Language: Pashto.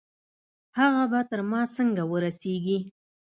هغه به تر ما څنګه ورسېږي؟